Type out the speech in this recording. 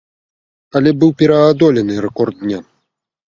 Але быў пераадолены рэкорд дня.